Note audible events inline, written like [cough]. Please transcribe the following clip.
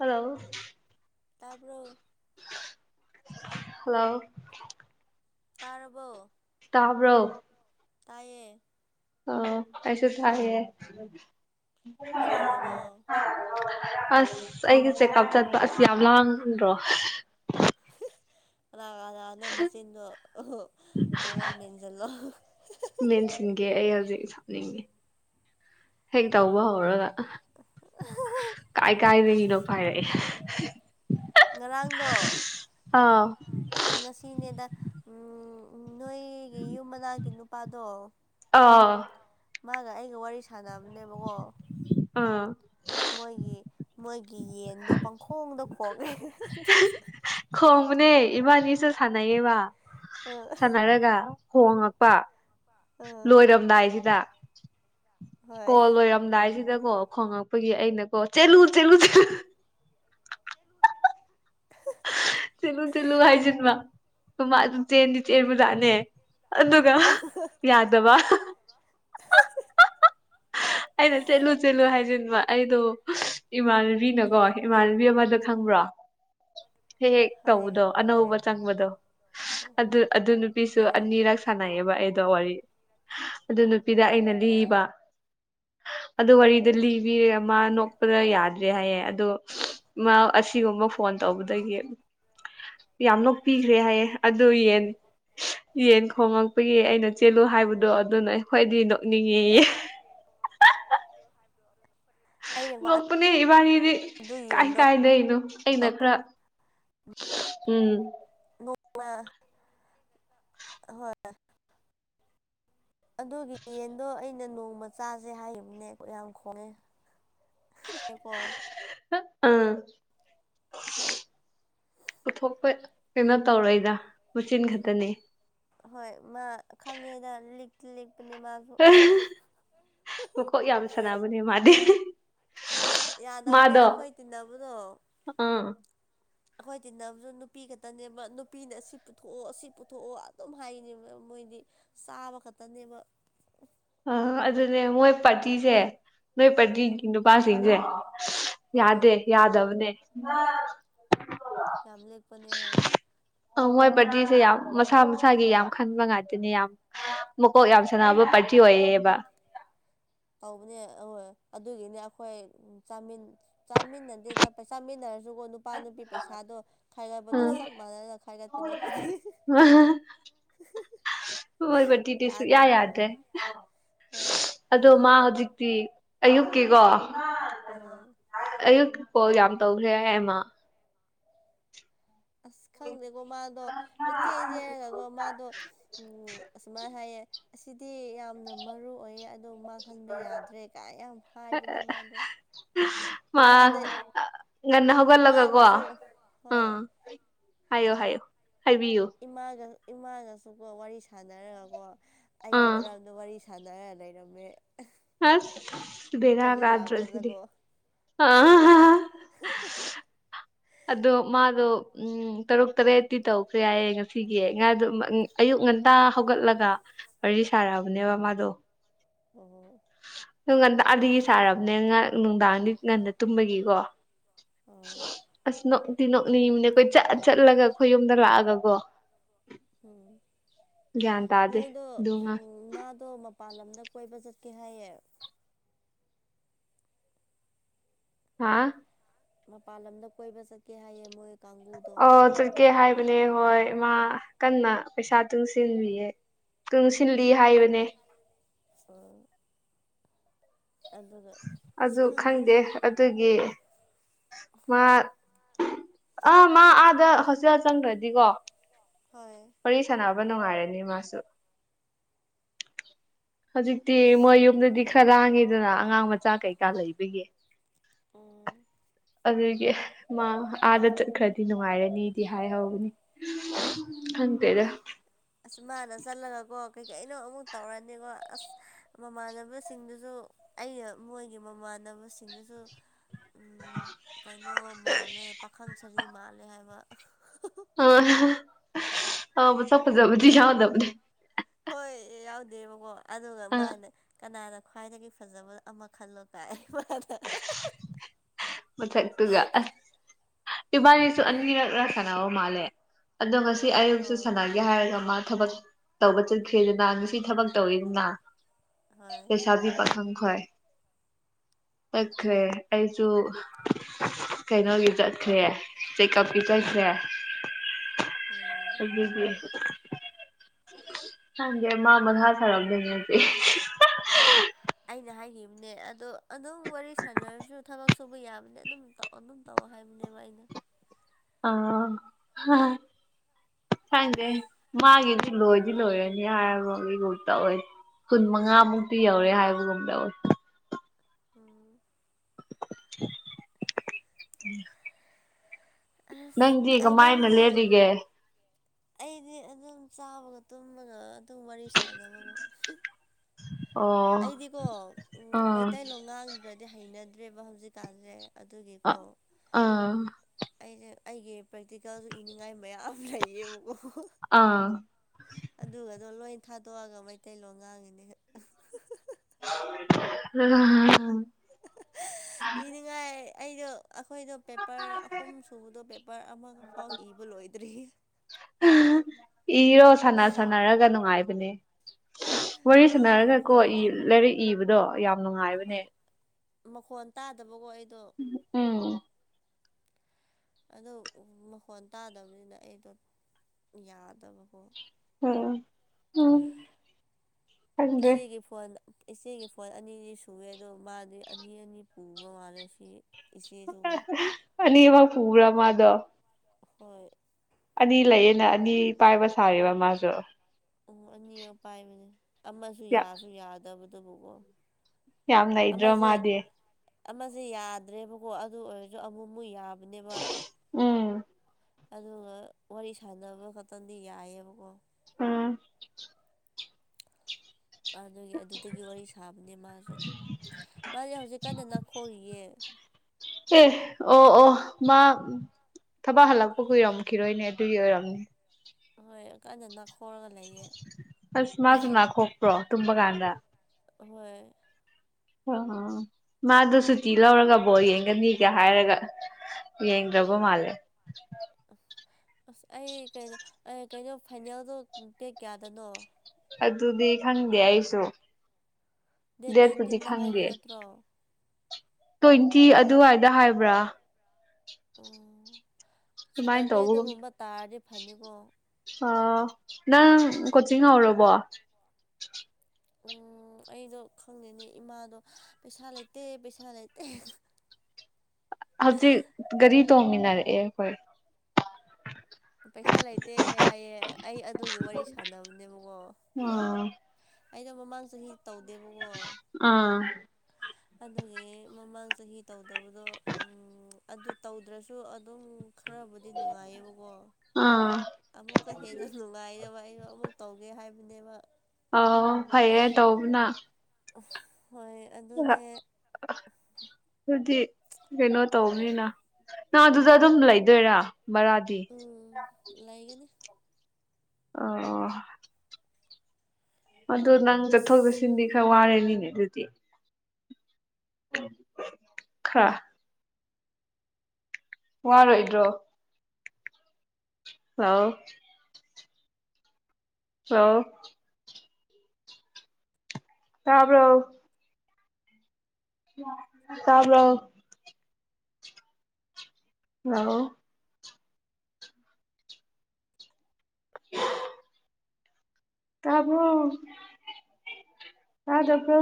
hello ꯇꯥꯕꯔꯣ hello ꯇꯥꯔꯕꯣ ꯇꯥꯕꯔꯣ ꯇꯥꯏꯌꯦ ꯑ ꯑꯩꯁꯨ ꯇꯥꯏꯌꯦ ꯀꯩꯗꯧꯋꯤꯅꯣ ꯑꯁ ꯑꯩꯒꯤ ꯆꯦꯛꯀꯞ ꯆꯠꯄ ꯑꯁ ꯌꯥꯝ ꯂꯥꯡꯗ꯭ꯔꯣ ꯀꯅꯥ ꯀꯅꯥꯅꯣ ꯃꯆꯤꯟꯗꯣ ꯀꯩꯅꯣ ꯃꯦꯟꯁꯤꯜꯂꯣ ꯃꯦꯟꯁꯤꯟꯒꯦ ꯑꯩ ꯍꯧꯖꯤꯛ ꯁꯥꯎ ꯅꯤꯡꯉꯤ ꯍꯦꯛ ꯇꯧꯕ ꯍꯧꯔꯒ ꯀꯥꯏ ꯀꯥꯏꯗꯒꯤꯅꯣ ꯄꯥꯏꯔꯛꯑꯦ ꯉꯔꯥꯡꯗꯣ ꯑꯥ ꯉꯁꯤꯅꯦꯗ ꯎꯝ ꯎꯝ ꯅꯣꯏꯒꯤ ꯌꯨꯝ ꯃꯅꯥꯛꯒꯤ ꯅꯨꯄꯥꯗꯣ ꯑꯥ ꯃꯥꯒ ꯑꯩꯒ ꯋꯥꯔꯤ ꯁꯥꯟꯅꯕꯅꯦꯕꯀꯣ ꯑꯥ ꯃꯣꯏꯒꯤ ꯃꯣꯏꯒꯤ ꯌꯦꯟꯗꯣ ꯄꯪꯈꯣꯡꯗ ꯈꯣꯡꯉꯦ ꯑꯗꯨ ꯈꯣꯡꯕꯅꯦ ꯏꯕꯥꯟꯅꯤꯁꯨ ꯁꯥꯟꯅꯩꯌꯦꯕ ꯑꯥ ꯁꯥꯟꯅꯔꯒ ꯈꯣꯉꯛꯄ ꯀꯣꯜ ꯑꯥ ꯂꯣꯏꯔꯝꯗꯥꯏꯁꯤꯗ ꯀꯣꯜ ꯍꯣꯏ ꯂꯣꯏꯔꯝ ꯂꯣꯏꯔꯝꯗꯥꯏꯁꯤꯗꯀꯣ ꯈꯣꯡꯉꯛꯄꯒꯤ ꯑꯩꯅ ꯀꯣ ꯆꯦꯜꯂꯨ ꯆꯦꯜꯂꯨ ꯆꯦꯜꯂꯨ ꯆꯦꯜꯂꯨ ꯆꯦꯜꯂꯨ ꯆꯦꯜꯂꯨ ꯆꯦꯜꯂꯨ ꯍꯥꯏꯖꯤꯟꯕ ꯃꯥ ꯑꯗꯨꯝ ꯆꯦꯟꯗꯤ ꯆꯦꯟꯕ ꯖꯥꯠꯅꯦ ꯑꯗꯨꯒ ꯌꯥꯗꯕ ꯑꯩꯅ ꯆꯦꯜꯂꯨ ꯆꯦꯜꯂꯨ ꯍꯥꯏꯖꯤꯟꯕ ꯑꯩꯗꯣ ꯏꯃꯥꯟꯅꯕꯤꯅꯀꯣ ꯏꯃꯥꯟꯅꯕꯤ ꯑꯃꯗꯣ ꯈꯪꯕ꯭ꯔꯣ ꯍꯦꯛ ꯍꯦꯛ ꯍꯣꯏ ꯇꯧꯕꯗꯣ ꯈꯪꯉꯦ ꯑꯅꯧꯕ ꯆꯪꯕꯗꯣ ꯑꯗꯨ ꯑꯗꯨ ꯅꯨꯄꯤꯁꯨ ꯍꯣꯏ ꯑꯅꯤꯔꯛ ꯁꯥꯟꯅꯩꯌꯦꯕ ꯑꯩꯗꯣ ꯋꯥꯔꯤ ꯑꯗꯨ ꯅꯨꯄꯤꯗ ꯑꯩꯅ ꯑꯥ ꯂꯤꯕ ꯑꯗꯨ ꯋꯥꯔꯤꯗꯣ ꯂꯤꯕꯤꯔꯦ ꯃꯥ ꯅꯣꯛꯄꯗ ꯍꯣꯏ ꯌꯥ- ꯗ꯭ꯔꯦ ꯍꯥꯏꯌꯦ ꯑꯗꯣ ꯃꯥ ꯑꯁꯤꯒꯨꯝꯕ ꯐꯣꯟ ꯇꯧꯕꯗꯒꯤ ꯌꯥꯝꯅ ꯅꯣꯛꯄꯤꯈ꯭ꯔꯦ ꯍꯥꯏꯌꯦ ꯑꯗꯨ ꯌꯦꯟ ꯌꯦꯟ ꯈꯣꯉꯛꯄꯒꯤ ꯑꯩꯅ ꯆꯦꯜꯂꯨ ꯍꯥꯏꯕꯗꯣ ꯑꯗꯨꯅ ꯈꯋ꯭ꯥꯏꯗꯒꯤ ꯅꯣꯛꯅꯤꯡꯉꯦꯌꯦ ꯑꯩꯅꯀꯣ ꯅꯣꯛꯄꯅꯦ ꯏꯕꯥꯅꯤꯗꯤ ꯑꯗꯨ ꯀꯥꯏ ꯌꯦꯟꯗꯣ ꯀꯥꯏꯗꯩꯅꯣ ꯑꯩꯅ ꯈꯔ ꯎꯝ [unintelligible] ꯑꯍꯣꯏ ꯑꯗꯨꯒꯤ ꯌꯦꯟꯗꯣ ꯑꯩꯅ ꯅꯣꯡꯃ ꯆꯥꯁꯦ ꯍꯥꯏꯈꯤꯕꯅꯦ ꯌꯥꯝ ꯈꯣꯡꯉꯦ [unintelligible] ꯑꯪ ꯄꯨꯊꯣꯛꯄ ꯀꯩꯅꯣ ꯇꯧꯔꯣꯏꯗ ꯃꯆꯤꯟ ꯈꯛꯇꯅꯤ ꯍꯣꯏ ꯃꯥ ꯈꯪꯉꯦꯗ ꯂꯤꯛꯇ ꯂꯤꯛꯄꯅꯦ ꯃꯥ ꯃꯀꯣꯛ ꯌꯥꯝ ꯁꯥꯟꯅꯕꯅꯦ ꯃꯥꯗꯤ ꯌꯥꯗꯕꯅꯦ ꯃꯥꯗꯣ ꯑꯩꯈꯣꯏ ꯇꯤꯟꯅꯕꯗꯣ ꯑꯥ ꯑꯩꯈꯣꯏ ꯇꯤꯟꯅꯕꯁꯨ ꯅꯨꯄꯤ ꯈꯛꯇꯅꯦꯕ ꯅꯨꯄꯤꯅ ꯑꯁꯤ ꯄꯨꯊꯣꯛꯑꯣ ꯑꯁꯤ ꯄꯨꯊꯣꯛꯑꯣ ꯑꯗꯨꯝ ꯍꯥꯏꯅꯦꯕ ꯃꯣꯏꯗꯤ ꯆꯥꯕ ꯈꯛꯇꯅꯦꯕ ꯑꯥ ꯑꯗꯨꯅꯦ ꯃꯣꯏ ꯄꯥꯔꯇꯤꯁꯦ ꯅꯣꯏ ꯎꯝ ꯄꯥꯔꯇꯤꯒꯤ ꯅꯨꯄꯥꯁꯤꯡꯁꯦ ꯍꯣꯏ ꯌꯥꯗꯦ ꯌꯥꯗꯕꯅꯦ ꯌꯥꯝ ꯂꯤꯛꯄꯅꯦ ꯍꯣꯏ ꯑꯧ ꯃꯣꯏ ꯕꯔꯗꯤꯁꯦ ꯌꯥꯝ ꯃꯁꯥ ꯃꯁꯥꯒꯤ ꯌꯥꯝ ꯈꯟꯕ ꯉꯇꯅꯦ ꯌꯥꯝ ꯃꯀꯣꯛ ꯌꯥꯝ ꯁꯥꯟꯅꯕ ꯄꯥꯔꯇꯤ ꯑꯣꯏꯌꯦꯕ ꯇꯧꯕꯅꯦ ꯑꯍꯣꯏ ꯑꯗꯨꯒꯤꯅꯦ ꯑꯩꯈꯣꯏ ꯆꯥꯃꯤꯟ ꯆꯥꯃꯤꯟꯅꯗꯦꯗ ꯆꯥꯃꯤꯟꯅꯔꯁꯨ ꯀꯣ ꯅꯨ- ꯄꯥ ꯅꯨꯄꯤ ꯄꯩꯁꯥꯗꯣ ꯈꯥꯏꯒꯕꯗꯣ ꯎꯝ ꯆꯞ ꯃꯥꯟꯅꯅ ꯈꯥꯏꯒꯠ- ꯄꯅꯦ ꯑꯩꯈꯣꯏꯗꯤ ꯍꯣꯏ ꯕꯔꯗꯤꯗꯤ ꯁꯨꯛꯌꯥ ꯌꯥꯗꯕꯅꯦꯕ ꯌꯥꯗ꯭ꯔꯦ ꯍꯣꯏ ꯑꯗꯣ ꯃꯥ ꯍꯧꯖꯤꯛꯇꯤ ꯑꯌꯨꯛꯀꯤꯀꯣ ꯑꯪ ꯑꯌꯨꯛ ꯀꯣꯜ ꯌꯥꯝ ꯇꯧꯈ꯭ꯔꯦ ꯍꯥꯏ ꯃꯥ ꯑꯁ ꯈꯪꯗꯦꯀꯣ ꯃꯥꯗꯣ ꯄꯤꯛꯆꯦꯠ ꯆꯦꯟꯂꯒꯀꯣ ꯃꯥꯗꯣ ꯎ ꯑꯁꯨꯃꯥꯏꯅ ꯍꯥꯏꯌꯦ ꯑꯁꯤꯗꯤ ꯌꯥꯝ ꯌꯥꯝꯅ ꯃꯔꯨ ꯑꯣꯏꯌꯦ ꯑꯗꯣ ꯃꯥ ꯈꯟꯕ ꯌꯥꯗ꯭ꯔꯦ ꯀꯥꯏ ꯌꯥꯝ ꯍꯥꯏꯕꯅꯦ ꯃꯥꯗꯣ ꯃꯥ ꯏꯃꯥꯗ ꯉꯟꯅ ꯍꯧꯒꯠꯂꯒꯀꯣ ꯏꯃꯥꯒꯁꯨ ꯎ ꯍꯣꯏ ꯍꯥꯏꯌꯣ ꯍꯥꯏꯌꯣ ꯍꯥꯏꯕꯤꯌꯨ ꯏꯃꯥꯒ ꯏꯃꯥꯒꯁꯨꯀꯣ ꯋꯥꯔꯤ ꯁꯥꯟꯅꯔꯒꯀꯣ ꯑꯩꯒꯤ ꯑꯥ ꯃꯔꯝꯗ ꯋꯥꯔꯤ ꯁꯥꯟꯅꯔ ꯂꯩꯔꯝꯃꯦ ꯑꯁ ꯍꯧꯖꯤꯛ ꯕꯦꯔꯥꯒꯗ꯭ꯔꯣ ꯁꯤꯗꯤ ꯂꯥꯛꯄꯗꯀꯣ ꯑ [unintelligible] ꯑꯗꯣ ꯃꯥꯗꯣ ꯎꯝ ꯇꯔꯨꯛ ꯇꯔꯦꯠꯇꯤ ꯇꯧꯈ꯭ꯔꯦ ꯍꯥꯏꯌꯦꯡꯁꯤ ꯁꯤꯒꯤꯦ ꯉꯥꯗꯨ ꯑꯌꯨꯛ ꯉꯟꯇꯥ ꯍꯧꯒꯠꯂꯒ ꯋꯥꯔꯤ ꯁꯥꯔꯛꯑꯕꯅꯦꯕ ꯃꯥꯗꯣ ꯑꯣ ꯅ ꯉꯟꯇꯥ ꯑꯅꯤꯗꯒꯤ ꯁꯥꯔꯕꯅꯦ ꯉ ꯅꯨꯡꯗꯥꯡꯗꯤ ꯉꯟꯗ ꯇꯨꯝꯕꯒꯤꯀꯣ ꯑꯣ ꯑꯁ ꯅꯣꯛꯇꯤ ꯅꯣꯛꯅꯤꯡꯅꯦ ꯑꯩꯈꯣꯏ ꯆꯠꯂ ꯆꯠꯂꯒ ꯑꯩꯈꯣꯏ ꯌꯨꯝꯗ ꯂꯥꯛꯑꯒꯀꯣ ꯎꯝ ꯒ꯭ꯌꯥꯟ ꯇꯥꯗꯦ ꯃꯣꯏꯗ ꯑꯗꯨ ꯎ ꯉꯥꯡ ꯃꯥꯗꯣ ꯃꯄꯥꯟ ꯂꯝꯗ ꯀꯣꯏꯕ ꯆꯠꯀꯦ ꯍꯥꯏꯌꯦ ꯍꯥꯥ ꯃꯄꯥꯟ ꯂꯝꯗ ꯀꯣꯏꯕ ꯆꯠꯀꯦ ꯍꯥꯏꯌꯦ ꯃꯣꯏ ꯀꯥꯡꯕꯨ ꯑꯣ ꯆꯠꯀꯦ ꯍꯥꯏꯕꯅꯦ ꯍꯣꯏ ꯏꯃꯥ ꯀꯟꯅ ꯄꯩꯁꯥ ꯇꯨꯡꯁꯤꯟꯕꯤꯌꯦ ꯇꯨꯡꯁꯤꯜꯂꯤ ꯍꯥꯏꯕꯅꯦ ꯑ ꯑꯁ ꯑꯗꯨ ꯈꯪꯗꯦꯗ ꯈꯪꯗꯦ ꯑꯗꯨꯒꯤ ꯃꯥ ꯑ ꯃꯥ ꯑꯥꯗ ꯍꯣꯁꯇꯦꯜ ꯆꯪꯈ꯭ꯔꯗꯤꯀꯣ ꯍꯣꯏ ꯋꯥꯔꯤ ꯁꯥꯟꯅꯕ ꯅꯨꯡꯉꯥꯏꯔꯅꯤ ꯃꯥꯁꯨ ꯍꯧꯖꯤꯛꯇꯤ ꯃꯣꯏ ꯌꯨꯝꯗꯗꯤ ꯈꯔ ꯂꯥꯡꯉꯤꯗꯅ ꯑꯉꯥꯡ ꯃꯆꯥ ꯀꯩꯀꯥ ꯂꯩꯕꯒꯤ ꯑꯥ ꯑꯗꯨꯒꯤ ꯃꯥ ꯑꯥꯗ ꯆꯠꯈ꯭ꯔꯗꯤ ꯅꯨꯡꯉꯥꯏꯔꯅꯤꯗꯤ ꯍꯥꯏꯍꯧꯕꯅꯤ ꯍꯪ ꯇꯦꯗ ꯑꯁ ꯃꯥꯅ ꯆꯠꯂꯒꯀꯣ ꯀꯩꯀꯩꯅꯣ ꯑꯃꯨꯛ ꯇꯧꯔꯅꯤꯀꯣ ꯑꯁ ꯃꯃꯥꯟꯅꯕꯁꯤꯡꯗꯨꯁꯨ ꯑꯩꯅ ꯃꯣꯏꯒꯤ ꯃꯃꯥꯟꯅꯕꯁꯤꯡꯗꯨꯁꯨ ꯀꯩꯅꯣ ꯃꯥꯜꯂꯦ ꯄꯥꯈꯪ ꯁꯔꯤ ꯃꯥꯜꯂꯦ ꯍꯥꯏꯕ ꯑ ꯑ ꯃ ꯆꯞ ꯐꯖꯕꯨꯗꯤ ꯌꯥꯗꯕꯅꯦ ꯍꯣꯏ ꯌꯥꯎꯗꯦꯕꯀꯣ ꯑꯗꯨꯒ ꯑ ꯃꯥꯅ ꯀꯅꯥꯅ ꯈ꯭ꯋꯥꯏꯗꯒꯤ ꯐꯖꯕ ꯑꯃ ꯈꯜꯂꯣ ꯇꯥꯏ ꯃꯥ ꯃꯊꯛꯇꯨꯒ ꯑꯁ ꯏꯕꯥꯅꯤꯁꯨ ꯑꯅꯤꯔꯛꯅ ꯁꯅꯕ ꯃꯥꯜꯂꯦ ꯑꯗꯣ ꯉꯁꯤ ꯑꯌꯨꯛꯁ ꯑꯣ ꯁꯥꯟꯅꯒꯦ ꯍꯥꯏꯔꯒ ꯃꯥ ꯊꯕꯛ ꯇꯧꯕ ꯆꯠꯈ꯭ꯔꯦꯗꯅ ꯉꯁꯤ ꯊꯕꯛ ꯇꯧꯋꯤꯗꯅ ꯍꯣꯏ ꯄꯩꯁꯥ ꯄꯤ ꯄꯥꯈꯪꯈꯣꯏ ꯆꯈ꯭ꯔꯦ ꯑꯩꯁꯨ ꯀꯩꯅꯣꯒꯤ ꯆꯠꯈ꯭ꯔꯦ ꯆꯦꯛꯑꯞꯀꯤ ꯆꯠꯈ꯭ꯔꯦ ꯎꯝ ꯍꯧꯕꯤ ꯍꯥꯡꯗ ꯃ ꯃꯅꯍꯁꯔꯝꯗꯅꯗꯤ ꯑꯩꯅ ꯍꯥꯏꯈꯤꯕꯅꯦ ꯑꯗꯣ ꯑꯗꯨꯝ ꯋꯥꯔꯤ ꯁꯥꯟꯅꯔꯁꯨ ꯊꯕꯛ ꯁꯨꯕ ꯌꯥꯕꯅꯦ ꯑꯗꯨꯝ ꯇꯧ ꯑꯣꯝ ꯇꯧꯋ ꯍꯥꯏꯕꯅꯦꯕ ꯑꯩꯅ ꯑ ꯈꯪꯗꯦ ꯃꯥꯒꯤ ꯂꯣꯏꯗꯤ ꯂꯣꯏꯔꯅꯤ ꯍꯥꯏꯔꯕꯒꯤꯒꯨꯝ ꯇ ꯑꯣꯏ ꯀꯨꯟ ꯃꯉꯥꯃꯨꯛꯇꯤ ꯌꯧꯔꯦ ꯍꯥꯏꯕꯒꯨꯝ ꯇꯧꯋꯦ ꯎꯝ ꯎꯝ [unintelligible] ꯑꯁ ꯀꯃꯥꯏꯅ ꯅꯪꯗꯤ ꯂꯦꯜꯂꯤꯒꯦ ꯑꯩꯗꯤ ꯑꯗꯨꯝ ꯆꯥꯕꯒ ꯇꯨꯝꯃꯒ ꯑꯗꯨꯝ ꯋꯥꯔꯤ ꯁꯥꯟꯅꯕꯒ ꯑꯣ ꯑꯩꯗꯤꯀꯣ ꯑꯥ ꯃꯩꯇꯩꯂꯣꯟꯣ ꯉꯥꯡꯗ꯭ꯔꯗꯤ ꯍꯩꯅꯗ꯭ꯔꯦꯕ ꯍꯧꯖꯤꯛꯀꯥꯟꯁꯦ ꯑ ꯑꯗꯨꯒꯤꯀꯣ ꯑꯥ ꯑꯩꯁꯦ ꯑꯩꯒꯤ ꯄ꯭ꯔꯦꯛꯇꯤꯀꯦꯜꯁꯨ ꯏꯅꯤꯡꯉꯥꯏ ꯃꯌꯥꯝ ꯂꯩꯌꯦꯕꯀꯣ ꯑꯥ ꯑꯗꯨꯒꯗꯣ ꯂꯣꯏ ꯊꯥꯗꯣꯛꯑꯒ ꯃꯩꯇꯩꯂꯣꯟ ꯉꯥꯡꯉꯤꯅꯦ [unintelligible] ꯏꯅꯤꯡꯉꯥꯏ ꯑꯩꯗꯣ ꯑꯩꯈꯣꯏꯗꯣ ꯄꯦꯄꯔ ꯑꯍꯨꯝ ꯁꯨꯕꯗꯣ ꯄꯦꯄꯔ ꯑꯃꯒ ꯐꯥꯎ ꯏꯕ ꯂꯣꯏꯗ꯭ꯔꯤ ꯏꯌꯣ ꯁꯥꯟꯅ ꯁꯅꯔꯒ ꯅꯨꯡꯉꯥꯏꯕꯅꯦ ꯋꯥꯔꯤ ꯑꯗꯣ ꯁꯥꯟꯅꯔꯒꯀꯣ ꯏ ꯃꯈꯣꯟꯗꯣ ꯂꯥꯏꯔꯤꯛ ꯏꯕꯗꯣ ꯌꯥꯝ ꯅꯨꯡꯉꯥꯏꯕꯅꯦ ꯍꯣꯏ ꯃꯈꯣꯟ ꯇꯥꯗꯕꯀꯣ ꯑꯩꯗꯣ ꯎꯝ ꯑꯗꯨ ꯃꯈꯣꯟ ꯇꯥꯗꯕꯅꯤꯅ ꯑꯩꯗꯣ ꯌꯥꯗꯕꯀꯣ ꯎꯝ ꯎꯝ ꯈꯪꯗꯔꯦ ꯏꯆꯦꯒꯤ ꯐꯣꯟ ꯏꯆꯦꯒꯤ ꯐꯣꯟ ꯑꯅꯤꯗꯤ ꯁꯨꯑꯦ ꯑꯗꯣ ꯃꯥꯗꯤ ꯑꯅꯤ ꯑꯅꯤ ꯄꯨꯕ ꯃꯥꯜꯂꯦ ꯁꯤ ꯏꯆꯦꯁꯨꯀꯣ ꯑꯅꯤꯃꯛ ꯄꯨꯕ꯭ꯔꯥ ꯃꯥꯗꯣ ꯍꯣꯏ ꯑꯅꯤ ꯂꯩꯌꯦꯅ ꯑꯅꯤ ꯄꯥꯏꯕ ꯁꯥꯌꯦꯕ ꯃꯥꯁꯨ ꯑꯣ ꯑꯅꯤꯔ ꯄꯥꯏꯕꯅꯦ ꯑꯃꯁꯨ ꯌꯥꯝ ꯌꯥꯁꯨ ꯌꯥꯗꯕꯗꯨꯕꯨꯀꯣ ꯌꯥꯝ ꯅꯩꯗ꯭ꯔꯣ ꯑꯃꯖꯦ ꯃꯥꯗꯤ ꯑꯃꯖꯦ ꯌꯥꯗ꯭ꯔꯦꯕꯀꯣ ꯑꯗꯨ ꯑꯣꯏꯔꯁꯨ ꯑꯃꯨꯛꯃꯨꯛ ꯌꯥꯕꯅꯦꯕ ꯎꯝ ꯑꯗꯨꯒ ꯋꯥꯔꯤ ꯁꯥꯟꯅꯕ ꯈꯛꯇꯪꯗꯤ ꯌꯥꯏꯌꯦꯕꯀꯣ ꯎꯝ ꯑꯗꯨꯒꯤ ꯑꯗꯨꯗꯒꯤ ꯋꯥꯔꯤ ꯁꯥꯕꯅꯦ ꯃꯥꯁꯨ ꯃꯥꯅꯦ ꯍꯧꯖꯤꯛ ꯀꯟꯅ ꯅꯥꯈꯣꯔꯤꯌꯦ ꯑꯦ ꯑꯣ ꯑꯣ ꯃꯥ ꯊꯕꯛ ꯍꯜꯂꯛꯄ ꯀꯨꯏꯔꯝꯈꯤꯔꯣꯏꯅꯦ ꯑꯗꯨꯒꯤ ꯑꯣꯏꯔꯝꯅꯦ ꯍꯣꯏ ꯀꯟꯅꯥ ꯅꯈꯣꯔꯥꯒ ꯑꯁ ꯃꯥꯁꯨꯨꯝ ꯅꯈꯣꯛꯄ꯭ꯔꯣ ꯇꯨꯝꯕ ꯀꯥꯟꯗ ꯍꯣꯏ ꯑꯣ ꯃꯥꯗꯣ ꯁꯨꯇꯤ ꯂꯧꯔꯒ ꯕꯣꯜ ꯌꯦꯡꯒꯅꯤꯒ ꯍꯥꯏꯔꯒ ꯌꯦꯡꯗꯔꯕ ꯃꯥꯂꯦ ꯑꯁ ꯑꯩ ꯀꯩꯅꯣ ꯀꯩꯅꯣ ꯐꯥꯏꯅꯦꯜꯗꯣ ꯗꯦꯛ ꯀꯌꯥꯗꯅꯣ ꯑꯗꯨꯗꯤ ꯈꯪꯗꯦ ꯑꯩꯁꯨ ꯗꯦꯠ ꯗꯦꯠꯄꯨꯗꯤ ꯅꯥꯏꯟꯇꯤꯟꯗ ꯍꯥꯏꯕ ꯈꯪꯗꯦ ꯅꯠꯇ꯭ꯔꯣ ꯇ꯭ꯋꯦꯟꯇꯤ ꯆꯨꯝꯕ꯭ꯔꯣ ꯑꯗꯨꯋꯥꯏꯗ ꯍꯥꯏꯕ꯭ꯔꯥ ꯑꯗꯨꯃꯥꯏꯅ ꯁꯇꯔꯗꯦ ꯇꯧꯕꯒꯨꯝ ꯑꯗꯨꯒꯨꯝꯕ ꯇꯥꯔꯗꯤ ꯐꯅꯤꯀꯣ ꯅꯪ ꯀꯣꯆꯤꯡ ꯍꯧꯔꯕꯣ ꯑꯣ ꯑꯩꯗꯣ ꯈꯪꯗꯦꯅꯦ ꯏꯃꯥꯗꯣ ꯄꯩꯁꯥ ꯂꯩꯇꯦ ꯄꯩꯁꯥ ꯂꯩꯇꯦ ꯍꯧꯖꯤꯛ ꯒꯥꯔꯤ ꯇꯣꯡꯃꯤꯟꯅꯔꯛꯑꯦ ꯑꯩꯈꯣꯏ ꯄꯩꯁꯥ ꯂꯩꯇꯦ ꯍꯥꯏꯌꯦ ꯑꯩ ꯑꯗꯨꯒꯤ ꯋꯥꯔꯤ ꯁꯥꯟꯅꯕꯅꯦꯕꯀꯣ ꯑꯥ ꯑꯩꯗꯣ ꯃꯃꯥꯡ ꯆꯍꯤ ꯇꯧꯗꯦꯕꯀꯣ ꯑꯥ ꯑꯗꯨꯒꯤ ꯃꯃꯥꯡ ꯆꯍꯤ ꯇꯧꯗꯕꯗꯣ ꯑꯗꯨ ꯎꯝ ꯇꯧꯗ꯭ꯔꯁꯨ ꯑꯗꯨꯝ ꯈꯔꯕꯨꯗꯤ ꯅꯨꯡꯉꯥꯏꯌꯦꯕꯀꯣ ꯑꯥ ꯑꯃꯨꯛꯀ ꯍꯦꯟꯅ ꯅꯨꯡꯉꯥꯏꯅꯕ ꯑꯩꯗꯣ ꯑꯃꯨꯛ ꯇꯧꯒꯦ ꯍꯥꯏꯕꯅꯦꯕ ꯑꯥꯎ ꯐꯩꯌꯦ ꯇꯧꯕꯅ ꯍꯣꯏ ꯑꯗꯨꯅꯦ [unintelligible] ꯑꯗꯨꯗꯤ ꯀꯩꯅꯣ ꯇꯧꯕꯅꯤꯅ ꯅꯪ ꯑꯗꯨꯗ ꯑꯗꯨꯝ ꯂꯩꯗꯣꯏꯔꯥ ꯕꯔꯥꯗꯤ ꯎꯝ ꯂꯩꯒꯅꯤ ꯑꯣ ꯑꯗꯨ ꯅꯪ ꯆꯠꯊꯣꯛ ꯑꯁ ꯆꯠꯁꯤꯟꯗꯤ ꯈꯔ ꯋꯥꯔꯦꯅꯤꯅꯦ ꯑꯗꯨꯗꯤ ꯈꯥ ꯋꯥꯔꯣꯏꯗ꯭ꯔꯣ ꯍꯥꯎ ꯍꯥꯎ ꯇꯥꯕ꯭ꯔꯣ ꯇꯥꯕ꯭ꯔꯣ ꯑ ꯎ ꯇꯕ ꯇꯗꯕ꯭ꯔ